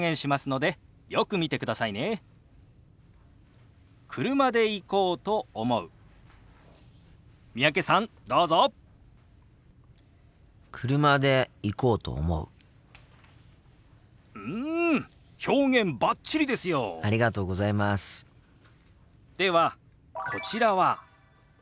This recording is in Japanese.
ではこちらは。